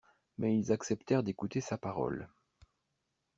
Mais ils acceptèrent d'écouter sa parole.